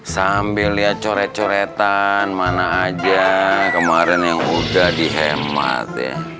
sambil lihat coret coretan mana aja kemarin yang udah dihemat